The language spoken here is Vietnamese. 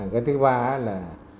cái thứ ba là